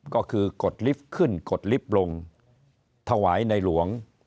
ก็คือกดลิฟต์ขึ้นกดลิฟต์ลงถวายในหลวง